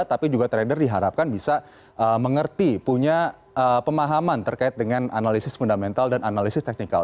tapi juga trader diharapkan bisa mengerti punya pemahaman terkait dengan analisis fundamental dan analisis teknikal